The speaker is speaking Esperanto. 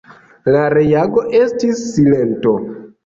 La reago estis silento.